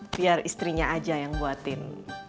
biar istrinya aja yang buatin